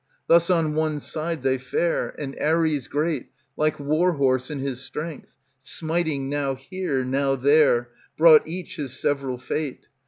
Thus on one side they fare, And Ares great, like war horse in his strength, Smiting now here, now there, Brought each his several fate.